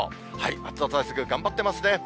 暑さ対策頑張ってますね。